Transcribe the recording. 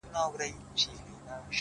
• نه د پردي نسیم له پرخو سره وغوړېدم,